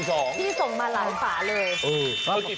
ส่งมาหลายฝาเลย